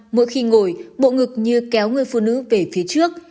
mỗi khi ngồi bộ ngực như kéo người phụ nữ về phía trước